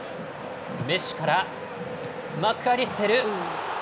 メッシからマックアリステル。